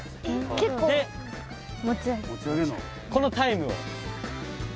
結構このタイムを。